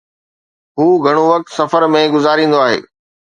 هو گهڻو وقت سفر ۾ گذاريندو آهي